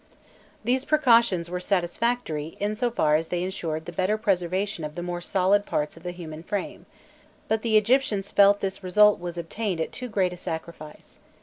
These precautions were satisfactory in so far as they ensured the better preservation of the more solid parts of the human frame, but the Egyptians felt this result was obtained at too great a sacrifice.